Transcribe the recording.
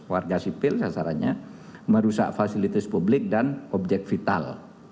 warga sipil sasarannya merusak fasilitas publik dan objek vital